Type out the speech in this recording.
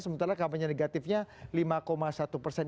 sementara kampanye negatifnya lima satu persen